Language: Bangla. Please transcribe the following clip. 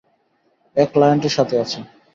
এক ক্লায়েন্টের সাথে আছে।